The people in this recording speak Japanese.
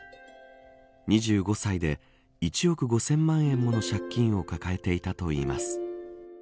２５歳で１億５０００万円もの借金を抱えていたといいます。